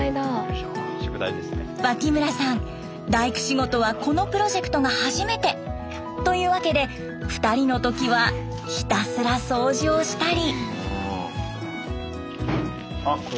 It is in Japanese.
脇村さん大工仕事はこのプロジェクトが初めて！というわけで２人の時はひたすら掃除をしたり。